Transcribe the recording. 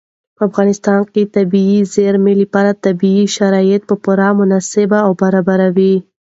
په افغانستان کې د طبیعي زیرمې لپاره طبیعي شرایط پوره مناسب او برابر دي.